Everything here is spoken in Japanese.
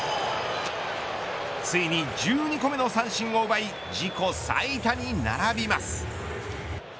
ついに１２個目の三振を奪い自己最多に並びます。